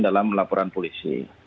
dalam laporan polisi